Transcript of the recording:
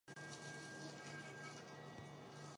养心殿造办处是内务府的下属机构之一。